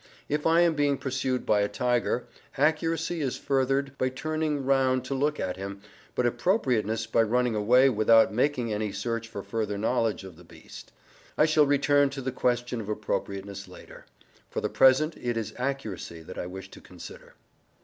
If I am being pursued by a tiger, accuracy is furthered by turning round to look at him, but appropriateness by running away without making any search for further knowledge of the beast. I shall return to the question of appropriateness later; for the present it is accuracy that I wish to consider.